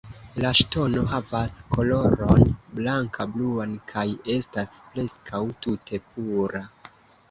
La ŝtono havas koloron blanka-bluan kaj estas preskaŭ tute pura.